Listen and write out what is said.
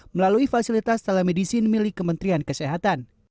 melalui fasilitas telemedicine milik kementerian kesehatan